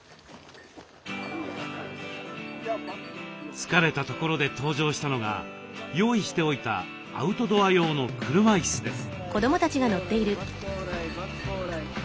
疲れたところで登場したのが用意しておいたアウトドア用の車いすです。